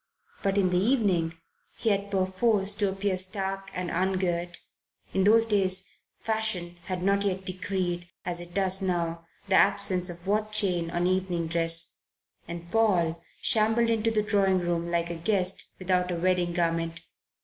But in the evening he had perforce to appear stark and ungirt in those days Fashion had not yet decreed, as it does now, the absence of watchchain on evening dress and Paul shambled into the drawing room like a guest without a wedding garment.